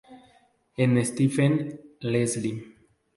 En Stephen, Leslie.